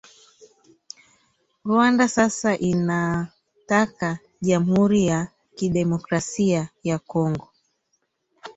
Rwanda sasa inataka Jamhuri ya kidemokrasia ya Kongo